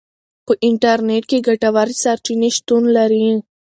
په انټرنیټ کې ګټورې سرچینې شتون لري.